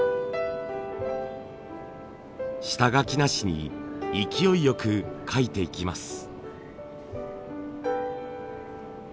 下書きなしに勢いよく描いていきます。